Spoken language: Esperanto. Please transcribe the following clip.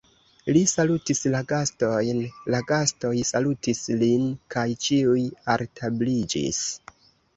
Li salutis la gastojn, la gastoj salutis lin, kaj ĉiuj altabliĝis.